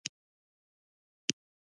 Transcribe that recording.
کلیوال مېلمهپاله وي.